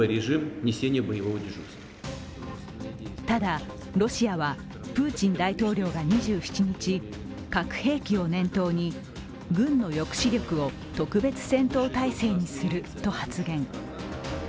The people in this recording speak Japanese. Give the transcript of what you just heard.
ただ、ロシアはプーチン大統領が２７日核兵器を念頭に、軍の抑止力を特別戦闘態勢にすると発言。